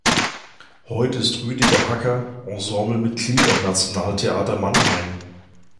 Heute ist Rüdiger Hacker Ensemblemitglied am Nationaltheater Mannheim.